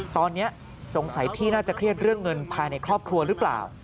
ตอนนี้สงสัยพี่น่าจะเครียดเรื่องเงินภายในครอบครัวหรือเปล่า